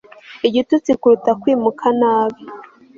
Igitutsi kuruta kwimuka nabi